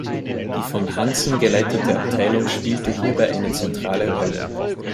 Die von Hansen geleitete Abteilung spielte hierbei eine zentrale Rolle.